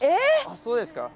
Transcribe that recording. あっそうですか。